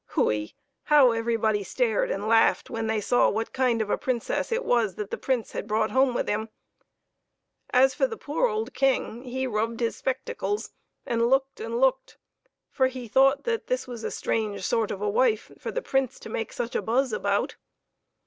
Hui ! how everybody stared and laughed when they saw what kind of a Princess it was that the Prince brought home with him ! As for the poor old King, he rubbed his spectacles and looked and looked, for he thought that this was a strange sort of a wife for the Prince to make such a buzz about.